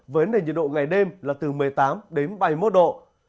vấn đề nhiệt độ ngày đêm là từ một mươi tám bảy mươi một độ